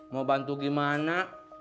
mau bantu gimana